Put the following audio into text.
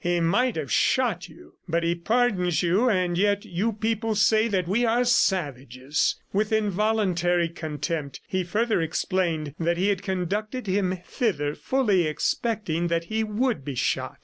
"He might have shot you, but he pardons you and yet you people say that we are savages!" ... With involuntary contempt, he further explained that he had conducted him thither fully expecting that he would be shot.